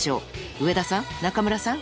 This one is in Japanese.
上田さん中村さん